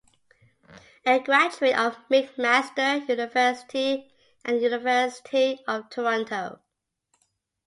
A graduate of McMaster University and University of Toronto.